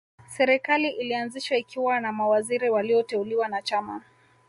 Serikali ilianzishwa ikiwa na mawaziri walioteuliwa na Chama